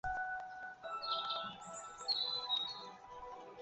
到法国高级美术学院雕塑系学习。